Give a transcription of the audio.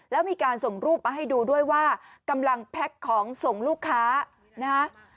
แล้วมีการส่งรูปมาให้ดูด้วยว่ากำลังแพ็คของส่งลูกค้านะฮะ